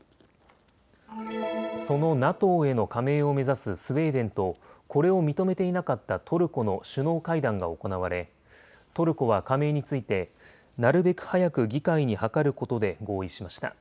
そのＮＡＴＯへの加盟を目指すスウェーデンとこれを認めていなかったトルコの首脳会談が行われトルコは加盟についてなるべく早く議会に諮ることで合意しました。